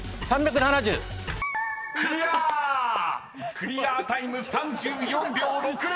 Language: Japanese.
［クリアタイム３４秒６０！］